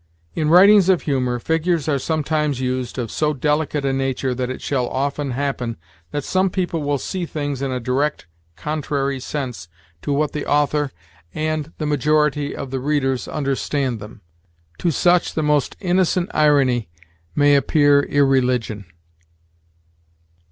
"In writings of humor, figures are sometimes used of so delicate a nature that it shall often happen that some people will see things in a direct contrary sense to what the author and the majority of the readers understand them: to such the most innocent irony may appear irreligion."